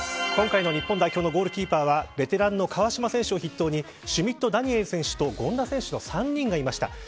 今回の日本代表のゴールキーパーはベテランの川島選手を筆頭にシュミット・ダニエル選手と権田選手の３人がいました。